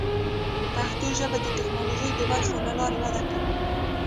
پښتو ژبه د ټکنالوژۍ د برخو له لارې وده کوي.